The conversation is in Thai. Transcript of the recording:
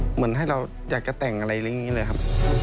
เหมือนให้เราอยากจะแต่งอะไรอย่างนี้เลยครับ